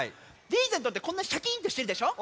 リーゼントってこんなシャキーンとしてるでしょ。